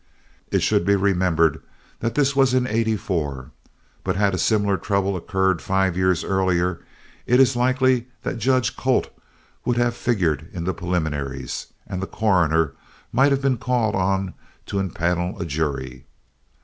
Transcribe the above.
It should be remembered that this was in '84, but had a similar trouble occurred five years earlier, it is likely that Judge Colt would have figured in the preliminaries, and the coroner might have been called on to impanel a jury.